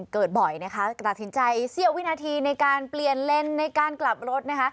เกิดบ่อยนะคะตัดสินใจเสี้ยววินาทีในการเปลี่ยนเลนส์ในการกลับรถนะคะ